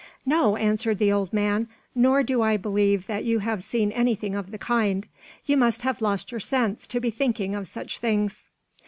"No," answered the old man, "nor do I believe that you have seen anything of the kind; you must have lost your sense to be thinking of such things."